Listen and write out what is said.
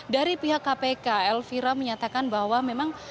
dari pihak kpk elvira menyatakan bahwa memang